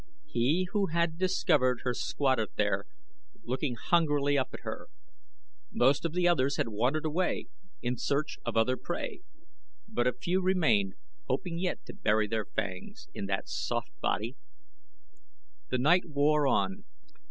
He who had discovered her squatted there looking hungrily up at her. Most of the others had wandered away in search of other prey, but a few remained hoping yet to bury their fangs in that soft body. The night wore on.